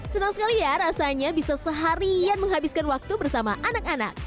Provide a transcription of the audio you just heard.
senang sekali ya rasanya bisa seharian menghabiskan waktu bersama anak anak